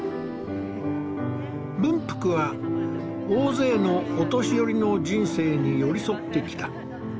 文福は大勢のお年寄りの人生に寄り添ってきた。